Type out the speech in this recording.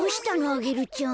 アゲルちゃん。